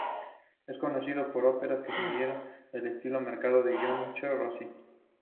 Es conocido por sus óperas que siguieron el estilo marcado por Gioachino Rossini.